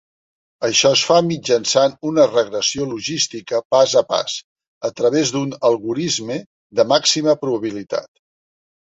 Això es fa mitjançant una regressió logística pas a pas, a través d'un algorisme de màxima probabilitat.